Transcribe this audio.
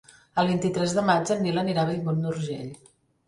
El vint-i-tres de maig en Nil anirà a Bellmunt d'Urgell.